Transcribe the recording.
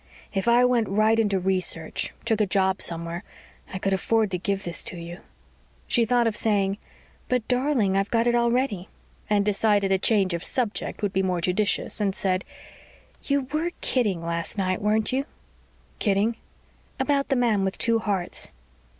"If I went right into research took a job somewhere I could afford to give this to you." She thought of saying, But, darling, I've got it already, and decided a change of subject would be more judicious and said, "You were kidding last night, weren't you?" "Kidding?" "About the man with two hearts."